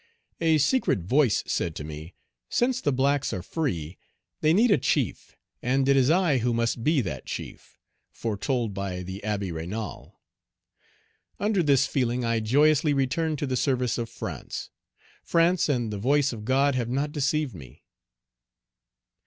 A secret voice said to me, 'Since the blacks are free, they need a chief, and it is I who must be that chief, foretold by the Abbé Raynal.' Under this feeling I joyously returned to the service of France. France and the voice of God have not deceived me."